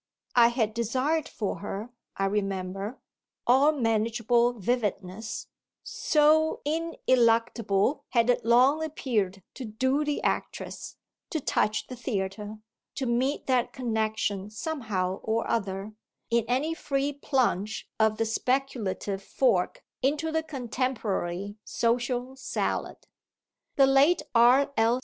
I had desired for her, I remember, all manageable vividness so ineluctable had it long appeared to "do the actress," to touch the theatre, to meet that connexion somehow or other, in any free plunge of the speculative fork into the contemporary social salad. The late R. L.